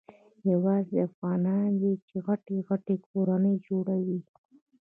یوازي افغانان دي چي غټي غټي کورنۍ جوړوي.